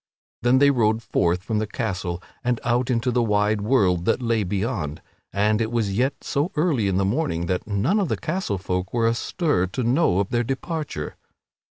Then they rode forth from the castle and out into the wide world that lay beyond, and it was yet so early in the morning that none of the castle folk were astir to know of their departure.